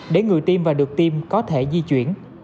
để người tiêm và được tiêm có thể di chuyển